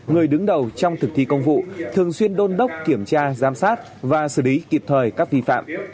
người đứng đầu trong thực thi công vụ thường xuyên đôn đốc kiểm tra giám sát và xử lý kịp thời các vi phạm